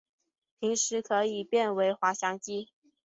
平时可以变成滑翔机。